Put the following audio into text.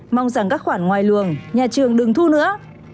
mong rằng các khoản ngoài luồng nhà trường đừng thu nữa